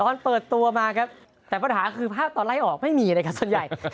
ตอนเปิดตัวมาครับแต่ปัญหาคือภาพตอนไล่ออกไม่มีเลยครับส่วนใหญ่